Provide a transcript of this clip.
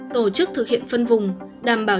tổ chức thực hiện phân vùng đảm bảo